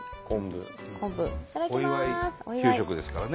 お祝い給食ですからね。